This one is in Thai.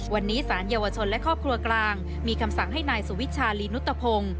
วันนี้สารเยาวชนและครอบครัวกลางมีคำสั่งให้นายสุวิชาลีนุตพงศ์